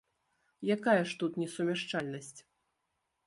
Якая ж тут несумяшчальнасць?